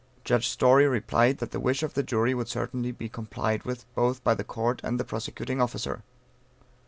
Judge Story replied that the wish of the jury would certainly be complied with both by the Court and the prosecuting officer.